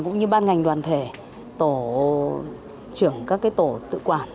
cũng như ban ngành đoàn thể tổ trưởng các tổ tự quản